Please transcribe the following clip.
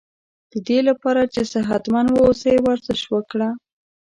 ددی لپاره چی صحت مند و اوسی ورزش وکړه